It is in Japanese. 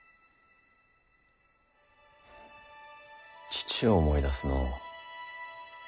父を思い出すのう。